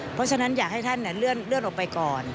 เพราะฉะนั้นอยากให้ท่านเลื่อนออกไปก่อน